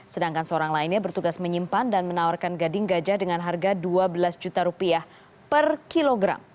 sedangkan seorang lainnya bertugas menyimpan dan menawarkan gading gajah dengan harga dua belas juta rupiah per kilogram